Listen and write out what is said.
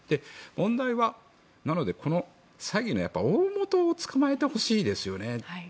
問題は、この詐欺の大本を捕まえてほしいですよね。